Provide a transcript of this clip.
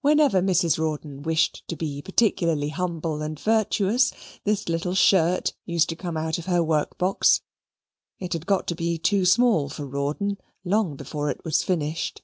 Whenever Mrs. Rawdon wished to be particularly humble and virtuous, this little shirt used to come out of her work box. It had got to be too small for Rawdon long before it was finished.